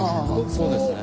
そうですね。